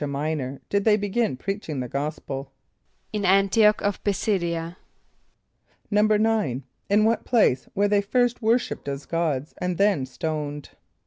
a] M[=i]´nor did they begin preaching the gospel? =In [)A]n´t[)i] och of P[+i] s[)i]d´[)i] [.a].= =9.= In what place were they first worshipped as gods and then stoned?